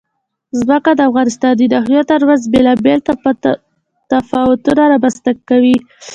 ځمکه د افغانستان د ناحیو ترمنځ بېلابېل تفاوتونه رامنځ ته کوي.